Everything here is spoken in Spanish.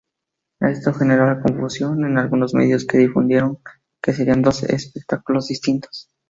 Esto generó confusión en algunos medios que difundieron que serían dos espectáculos distintos.